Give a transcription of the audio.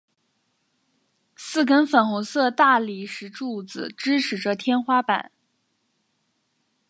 四根粉红色大理石柱子支持着天花板。